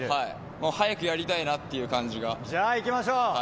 もう早くやりたいなっていうじゃあ、いきましょう。